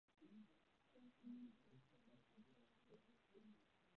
该站隶属呼和浩特铁路局。